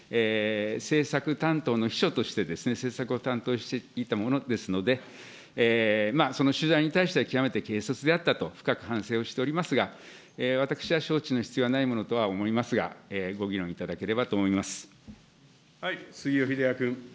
政策担当の秘書として、政策を担当していた者ですので、その取材に対しては極めて軽率であったと、深く反省をしておりますが、私は承知の必要がないものとは思いますが、ご議論いただければと杉尾秀哉君。